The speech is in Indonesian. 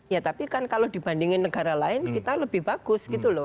ya tapi kan kalau dibandingin negara lain kita lebih bagus gitu loh